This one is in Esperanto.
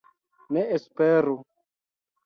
Ne esperu.